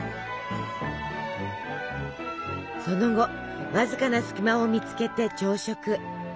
その後わずかな隙間を見つけて朝食。